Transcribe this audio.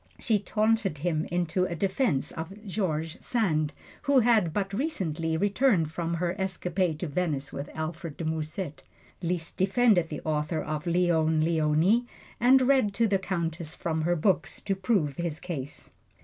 She taunted him into a defense of George Sand, who had but recently returned from her escapade to Venice with Alfred de Musset. Liszt defended the author of "Leone Leoni," and read to the Countess from her books to prove his case.